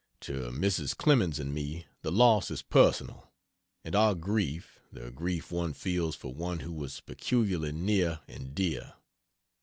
To Mrs. Clemens and me, the loss is personal; and our grief the grief one feels for one who was peculiarly near and dear.